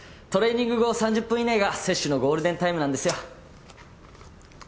トレーニング後３０分以内が摂取のゴールデンタイムなんですよ。